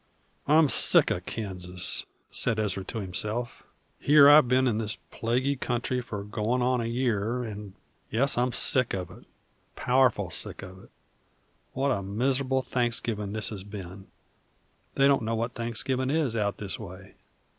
"I'm sick o' Kansas," said Ezra to himself. "Here I 've been in this plaguy country for goin' on a year, and yes, I'm sick of it, powerful sick of it. What a miser'ble Thanksgivin' this has been! They don't know what Thanksgivin' is out this way.